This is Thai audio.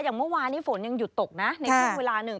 อย่างเมื่อวานนี้ฝนยังหยุดตกนะในช่วงเวลาหนึ่ง